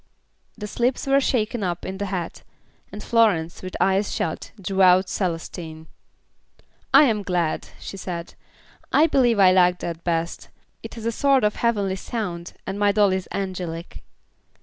The slips were shaken up in a hat, and Florence, with eyes shut, drew out Celestine. "I am glad," she said. "I believe I like that best; it has a sort of a heavenly sound, and my doll is angelic."